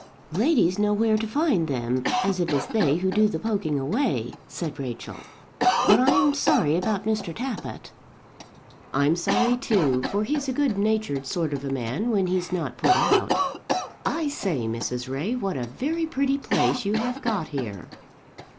"Ladies know where to find them, as it is they who do the poking away," said Rachel. "But I'm sorry about Mr. Tappitt." "I'm sorry, too, for he's a good natured sort of a man when he's not put out. I say, Mrs. Ray, what a very pretty place you have got here."